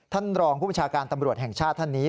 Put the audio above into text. ท่านรองผู้ประชาการตำรวจแห่งชาติท่านนี้